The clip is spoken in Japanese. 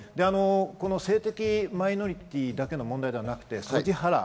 性的マイノリティーだけの問題ではなくてＳＯＧＩハラ。